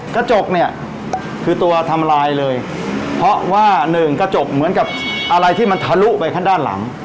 กระจกเนี่ยคือตัวทำลายเลยเพราะว่าหนึ่งกระจกเหมือนกับอะไรที่มันทะลุไปข้างด้านหลัง